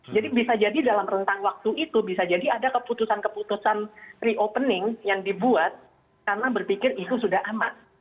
jadi bisa jadi dalam rentang waktu itu bisa jadi ada keputusan keputusan reopening yang dibuat karena berpikir itu sudah aman